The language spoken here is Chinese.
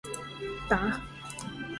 打